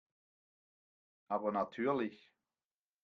Aber natürlich.